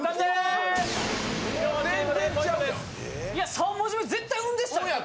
３文字目、絶対「ん」でしたよ！